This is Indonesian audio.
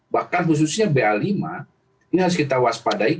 bahkan khususnya ba lima ini harus kita waspadai